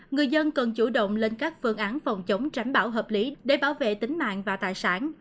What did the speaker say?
người dân cần chủ động lên các phương án phòng chống tránh bão hợp lý để bảo vệ tính mạng và tài sản